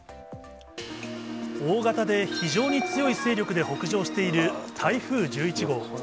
大型で非常に強い勢力で北上している台風１１号。